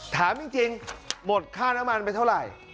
ถามจริงหมดค่าน้ำมันไปเท่าไหร่